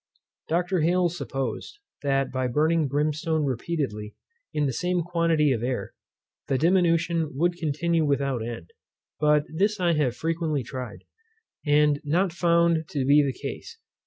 Dr. Hales supposed, that by burning brimstone repeatedly in the same quantity of air, the diminution would continue without end. But this I have frequently tried, and not found to be the case.